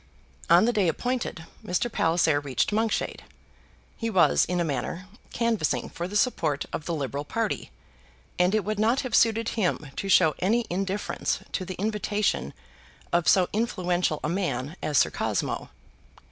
On the day appointed Mr. Palliser reached Monkshade. He was, in a manner, canvassing for the support of the Liberal party, and it would not have suited him to show any indifference to the invitation of so influential a man as Sir Cosmo.